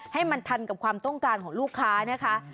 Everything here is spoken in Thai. ให้มันทันกับความต้องการของลูกค้านะคะ